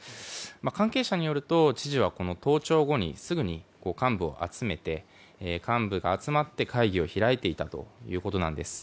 関係者によると、知事は登庁後にすぐに幹部を集めて会議を開いていたということなんです。